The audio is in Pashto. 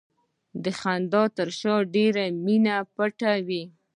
د خندا تر شا ډېره مینه پټه وي.